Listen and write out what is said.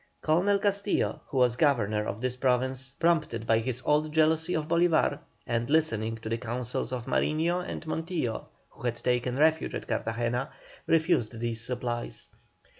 Colonel Castillo, who was Governor of this Province, prompted by his old jealousy of Bolívar, and listening to the counsels of Mariño and Montillo, who had taken refuge at Cartagena, refused these supplies.